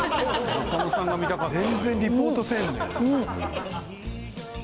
中野さんが見たかったのよ。